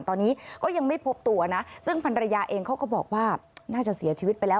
ตอนนี้ก็ยังไม่พบตัวนะซึ่งพันรยาเองเขาก็บอกว่าน่าจะเสียชีวิตไปแล้ว